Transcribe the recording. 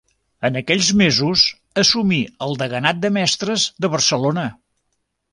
En aquells mesos assumí el Deganat dels Mestres de Barcelona.